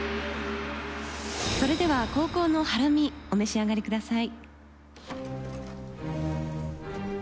それでは後攻のハラミお召し上がりください。